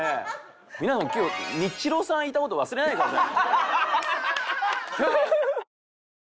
皆さん今日ニッチローさんがいた事忘れないでくださいね。